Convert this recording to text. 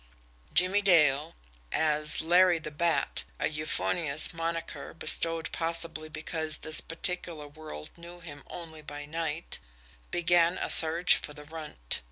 Jimmie Dale, as Larry the Bat a euphonious "monaker" bestowed possibly because this particular world knew him only by night began a search for the Runt.